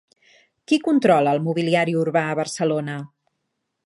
Qui controla el mobiliari urbà a Barcelona?